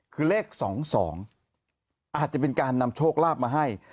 คือเลขสองสองอาจจะเป็นการนำโชคราบมาให้